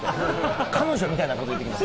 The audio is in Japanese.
彼女みたいなことを言ってきます。